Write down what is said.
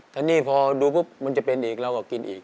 ถ้านี่พอดูปุ๊บมันจะเป็นอีกเราก็กินอีก